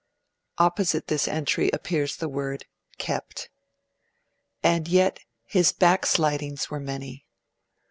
Opposite this entry appears the word 'KEPT'. And yet his back slidings were many.